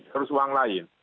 harus uang lain